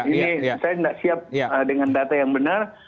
ini saya tidak siap dengan data yang benar